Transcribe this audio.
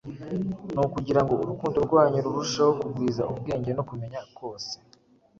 ni ukugira ngo urukundo rwanyu rurusheho kugwiza ubwenge no kumenya kose,